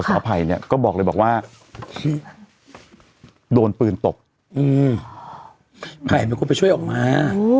ค่ะคุณภัยเนี้ยก็บอกเลยบอกว่าโดนปืนตกอืมภัยมันก็ไปช่วยออกมา